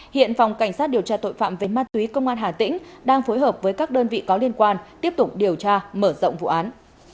hiện phòng cảnh sát điều tra tội phạm về ma túy công an hà tĩnh đang phối hợp với các đơn vị có liên quan tiếp tục điều tra mở rộng vụ án